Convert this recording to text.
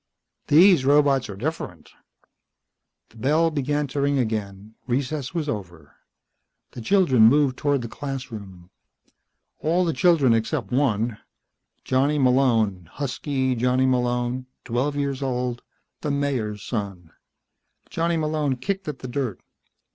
"These robots are different." The bell began to ring again. Recess was over. The children moved toward the classroom. All the children except one Johnny Malone, husky Johnny Malone, twelve years old the Mayor's son. Johnny Malone kicked at the dirt.